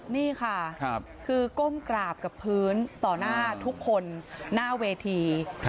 นี่ค่ะคือก้มกราบกับพื้นต่อหน้าทุกคนหน้าเวที